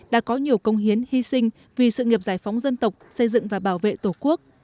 đã có nhiều công hiến hy sinh vì sự nghiệp giải phóng dân tộc xây dựng và bảo vệ tổ quốc